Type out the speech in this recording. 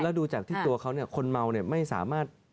แล้วดูจากที่ตัวเขาเนี่ยคนเมาเนี่ยไม่สามารถ